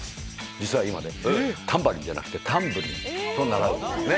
実は今タンバリンじゃなくてタンブリンと習うんですね。